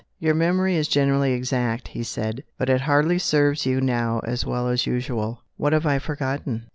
"Your memory is generally exact," he said; "but it hardly serves you now as well as usual." "What have I forgotten?"